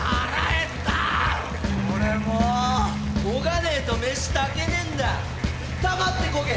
こがねえと飯炊けねんだ黙ってこげ。